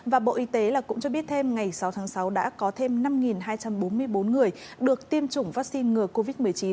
và bộ y tế cũng cho biết thêm ngày sáu tháng sáu đã có thêm năm hai trăm bốn mươi bốn người được tiêm chủng vaccine ngừa covid một mươi chín